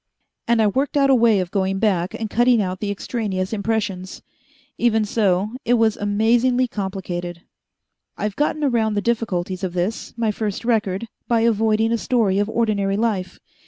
And I worked out a way of going back and cutting out the extraneous impressions. Even so, it was all amazingly complicated. "I've gotten around the difficulties of this, my first record, by avoiding a story of ordinary life.